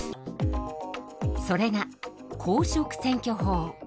それが公職選挙法。